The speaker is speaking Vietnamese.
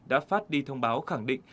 đã phát đi thông báo khẳng định